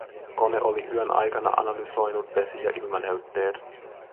Kone oli yön aikana analysoinut vesi- ja ilmanäytteet.